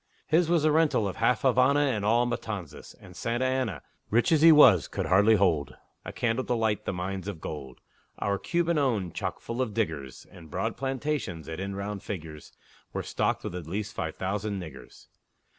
His was the rental of half Havana And all Matanzas; and Santa Anna, Rich as he was, could hardly hold A candle to light the mines of gold Our Cuban owned, choke full of diggers; And broad plantations, that, in round figures, Were stocked with at least five thousand niggers!